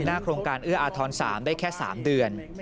โครงการเอื้ออาทร๓ได้แค่๓เดือน